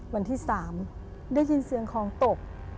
วันที่๓ได้ยินเสียงของตก